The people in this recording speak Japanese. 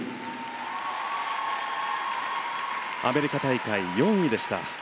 アメリカ大会４位でした。